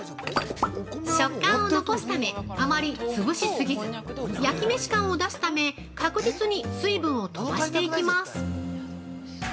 ◆食感を残すためあまり潰し過ぎず焼きめし感を出すため確実に水分を飛ばしていきます。